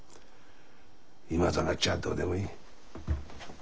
今となっちゃあどうでもいい。